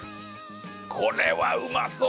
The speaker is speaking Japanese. これはうまそう！